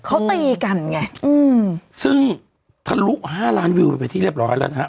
เขาตีกันไงอืมซึ่งทะลุห้าล้านวิวไปที่เรียบร้อยแล้วนะฮะ